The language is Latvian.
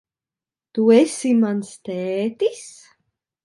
Tu esi mans tētis?